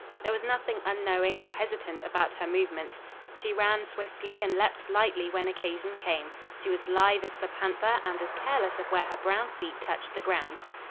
There was nothing unknowing or hesitant about her movements. She ran swiftly and leaped lightly when occasion came. She was lithe as the panther and as careless of where her brown feet touched the ground.